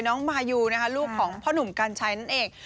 น้องมายูนะคะลูกของพ่อหนุ่มกัญชัยนั่นเอง